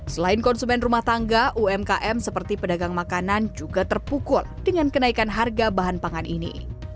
selain konsumen rumah tangga umkm seperti pedagang makanan juga terpukul dengan kenaikan harga bahan pangan ini